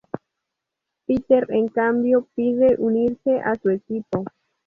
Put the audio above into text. Peter en cambio pide unirse a su equipo.